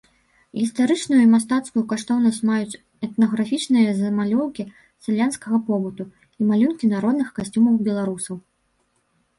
Гістарычную і мастацкую каштоўнасць маюць этнаграфічныя замалёўкі сялянскага побыту і малюнкі народных касцюмаў беларусаў.